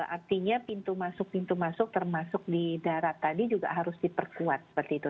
artinya pintu masuk pintu masuk termasuk di darat tadi juga harus diperkuat seperti itu